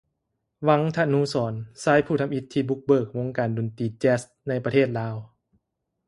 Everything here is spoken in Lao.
ວັງທະນູສອນ ຊາຍຜູ້ທຳອິດທີ່ບຸກເບີກວົງການດົນຕີແຈ໊ສໃນປະເທດລາວ